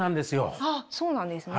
あっそうなんですね。